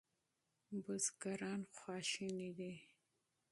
بزګران غوسه دي.